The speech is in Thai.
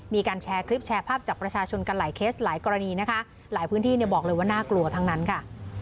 มีการแชร์คลิปแชร์ภาพจากประชาชนกันหลายเคสหลายกรณีนะคะหลายพื้นที่เนี่ยบอกเลยว่าน่ากลัวทั้งนั้นค่ะ